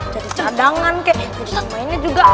jadi cadangan kek jadi mainnya juga